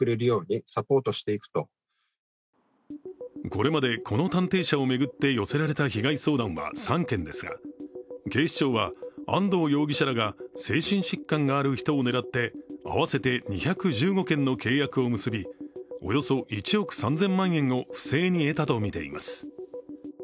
これまで、この探偵社を巡って寄せられた被害相談は３件ですが警視庁は安藤容疑者らが精神疾患がある人を狙って合わせて２１５件の契約を結びおよそ１億３０００万円を不正に得たとみています。